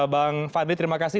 bang fadli terima kasih